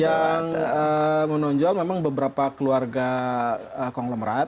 yang menonjol memang beberapa keluarga kong lemerat